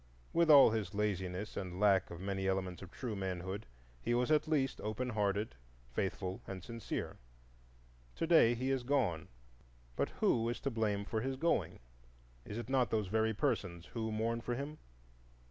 With all his laziness and lack of many elements of true manhood, he was at least open hearted, faithful, and sincere. To day he is gone, but who is to blame for his going? Is it not those very persons who mourn for him?